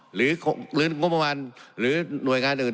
หรือกิจกรรมวัลหรือหน่วยงานอื่น